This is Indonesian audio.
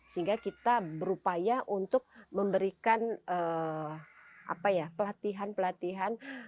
sehingga kita berupaya untuk memberikan pelatihan pelatihan